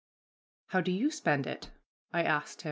"How do you spend it?" I asked.